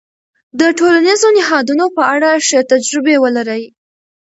د ټولنيزو نهادونو په اړه ښې تجربې ولرئ.